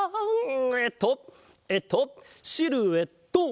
えっとえっとシルエット！